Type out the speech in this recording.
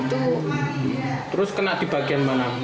terus kena di bagian mana